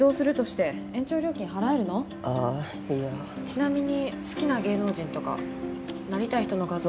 ちなみに好きな芸能人とかなりたい人の画像ある？